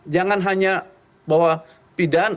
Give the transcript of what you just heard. jangan hanya bahwa pidan